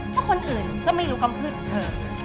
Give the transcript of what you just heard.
เพราะคนอื่นจะไม่รู้ความพื้นของเธอ